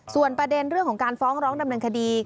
ส่วนประเด็นเรื่องของการฟ้องร้องดำเนินคดี